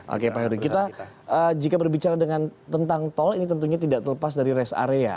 oke pak heru kita jika berbicara dengan tentang tol ini tentunya tidak terlepas dari rest area